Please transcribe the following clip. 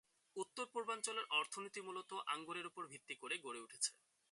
উত্তর-পূর্বাঞ্চলের অর্থনীতি মূলত আঙুরের উপর ভিত্তি করে গড়ে উঠেছে।